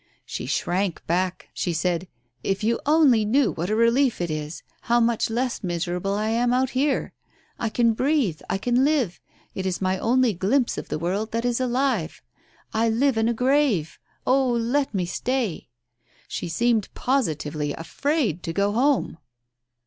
She shrank back ; she said, * If you only knew what a relief it is, how much less miserable I am out here! I can breathe ; I can live — it is my only glimpse of the world that is alive — I live in a grave — oh, let me stay !' She seemed positively afraid to go home."